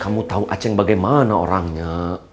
kamu tahu aceh bagaimana orangnya